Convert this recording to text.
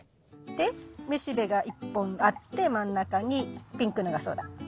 でめしべが１本あって真ん中にピンクのがそうだ。